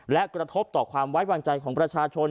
และกระทบต่อความไว้วางใจของประชาชน